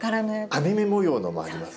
網目模様のもあります。